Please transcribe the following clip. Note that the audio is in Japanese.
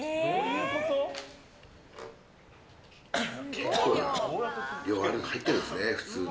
結構量入ってるんですね。